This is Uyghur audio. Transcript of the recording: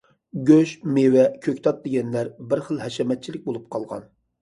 گۆش، مېۋە، كۆكتات دېگەنلەر بىر خىل ھەشەمەتچىلىك بولۇپ قالغان.